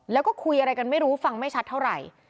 แล้วก็คุยอะไรกันไม่รู้ฟังไม่ชัดเท่าไหร่